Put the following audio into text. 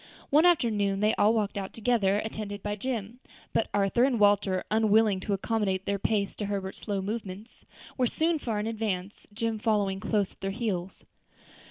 One afternoon they all walked out together, attended by Jim; but Arthur and Walter, unwilling to accommodate their pace to Herbert's slow movements, were soon far in advance, Jim following close at their heels.